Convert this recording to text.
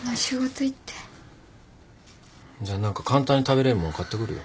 じゃあ何か簡単に食べれるもん買ってくるよ。